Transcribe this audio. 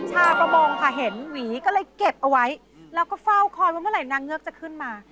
ชาวประมงค่ะเห็นหวีก็เลยเก็บเอาไว้แล้วก็เฝ้าคอยว่าเมื่อไหร่นางเงือกจะขึ้นมา